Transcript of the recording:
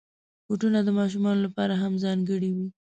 بوټونه د ماشومانو لپاره هم ځانګړي وي.